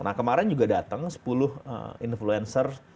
nah kemarin juga datang sepuluh influencer